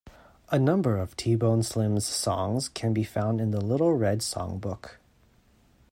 A number of T-Bone Slim's songs can be found in the "Little Red Songbook".